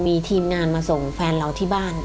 มีทีมงานมาส่งแฟนเราที่บ้าน